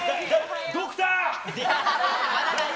ドクター！